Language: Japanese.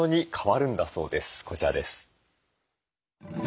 こちらです。